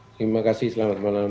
terima kasih selamat malam